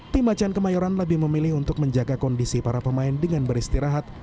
tim macan kemayoran lebih memilih untuk menjaga kondisi para pemain dengan beristirahat